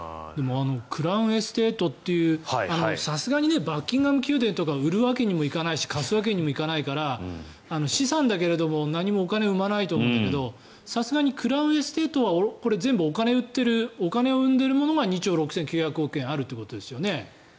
クラウンエステートっていうさすがにバッキンガム宮殿とかを売るわけにもいかないし貸すわけにもいかないから資産だけれども何もお金を生まないと思うけどさすがにクラウンエステートは全部、お金を生んでいるものが２兆６９００億円あるってことですよね。